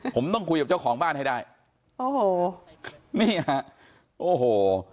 ผมต้องคุยกับเจ้าของบ้านให้ได้โอ้โหนี่ฮะโอ้โห